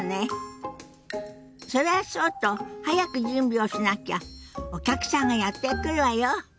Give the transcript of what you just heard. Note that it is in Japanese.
それはそうと早く準備をしなきゃお客さんがやって来るわよ。